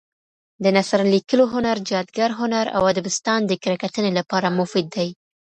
د نثر لیکلو هنر، جادګر هنر او ادبستان د کره کتنې لپاره مفید دي.